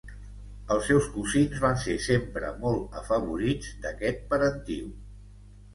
Els seus cosins van ser sempre molt afavorits d'aquest parentiu.